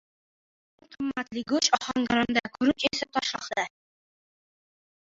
Eng qimmat go‘sht Ohangaronda, guruch esa Toshloqda